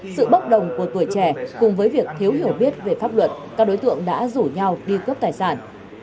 sự bốc đồng của tuổi trẻ cùng với việc thiếu hiểu biết về pháp luật các đối tượng đã rủ nhau đi cướp tài sản